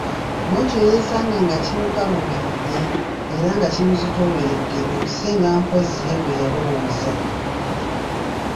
Mu ekyo yeesanga nga kimukaluubiridde era nga kimuzitooweredde okusinga mpozzi ye bwe yalowooza.